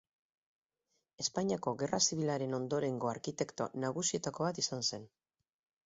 Espainiako Gerra Zibilaren ondorengo arkitekto nagusietako bat izan zen.